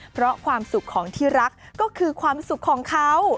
เพราะความสุขของที่รักก็คือความสุขของเขา